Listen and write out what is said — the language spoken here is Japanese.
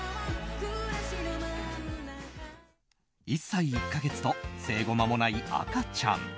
１歳１か月と生後まもない赤ちゃん。